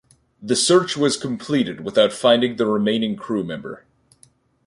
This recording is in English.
The search was completed without finding the remaining crew member.